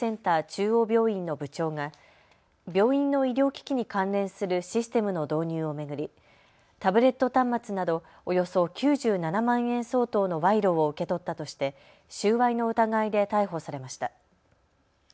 中央病院の部長が病院の医療機器に関連するシステムの導入を巡りタブレット端末などおよそ９７万円相当の賄賂を受け取ったとして収賄の疑いで逮捕されました。